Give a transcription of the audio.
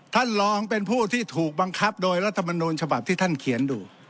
ท่านลองเป็นผู้ที่ถูกบังคับโดยรัฐมนูลฉบับที่ท่านเขียนดู